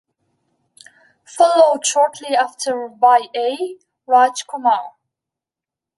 Followed shortly after by A. Raj Kumar.